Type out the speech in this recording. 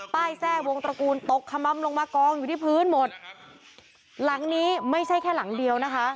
แทรกวงตระกูลตกขมัมลงมากองอยู่ที่พื้นหมดหลังนี้ไม่ใช่แค่หลังเดียวนะคะ